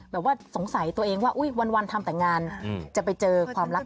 แบบว่าสงสัยตัวเองว่าวันทำแต่งงานจะไปเจอความรัก